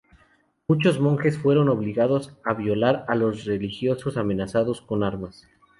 Muchos monjes fueron obligados a violar los votos religiosos amenazados con armas.